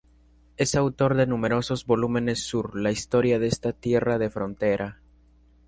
Es autor de numerosos volúmenes sur la historia de esta tierra de frontera.